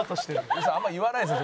蛭子さんあんま言わないですよ